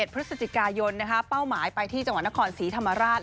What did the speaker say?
พฤศจิกายนเป้าหมายไปที่จังหวัดนครศรีธรรมราช